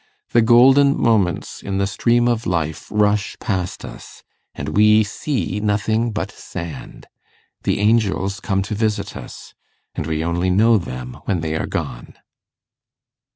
The golden moments in the stream of life rush past us, and we see nothing but sand; the angels come to visit us, and we only know them when they are gone.